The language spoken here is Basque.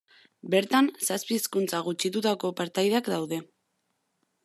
Bertan zazpi hizkuntza gutxitutako partaideak daude.